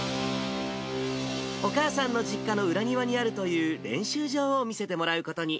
お母さんの実家の裏庭にあるという練習場を見せてもらうことに。